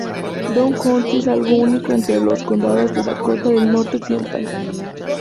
Dunn County es algo único entre los condados de Dakota del Norte occidental.